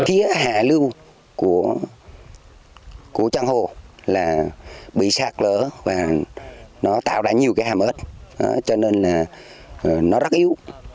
thía hạ lưu của trang hồ bị sạc lỡ và tạo ra nhiều hàm ớt cho nên nó rất yếu